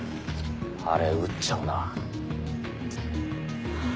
あれ撃っちゃうな。